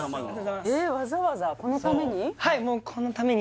わざわざこのために？